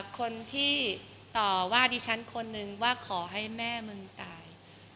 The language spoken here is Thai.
คนที่ต่อว่าดิฉันคนนึงว่าขอให้แม่มึงตาย